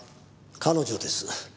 彼女です。